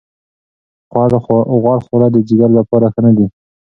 غوړ خواړه د ځیګر لپاره ښه نه دي.